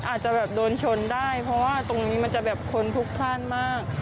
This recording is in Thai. อาจจะแบบโดนชนได้เพราะว่าตรงนี้มันจะแบบคนพลุกพลาดมาก